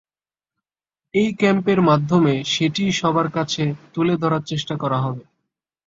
এই ক্যাম্পের মাধ্যমে সেটিই সবার কাছে তুলে ধরার চেষ্টা করা হবে।